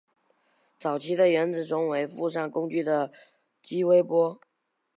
早期的原子钟为附上工具的激微波。